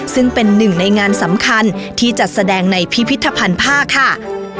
ซึ่งเป็นหนึ่งในงานสำคัญที่จัดแสดงในพิพิธภัณฑ์ผ้าค่ะ